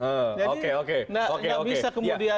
bang henry antara berbeda paradigma ya